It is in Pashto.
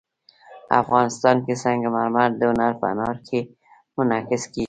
افغانستان کې سنگ مرمر د هنر په اثار کې منعکس کېږي.